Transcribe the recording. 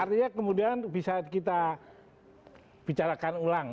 artinya kemudian bisa kita bicarakan ulang